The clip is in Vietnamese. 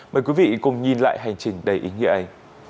mời quý vị cùng nhìn lại hành trình đầy ý nghĩa ấy